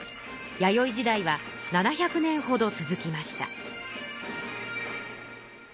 弥生時代は７００年ほど続きました。